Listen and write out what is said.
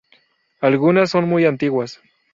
Algunas son muy antiguas.